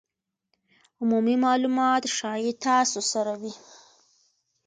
عمومي مالومات ښایي تاسو سره وي